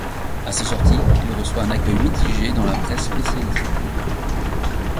À sa sortie, il reçoit un accueil mitigé dans la presse spécialisée.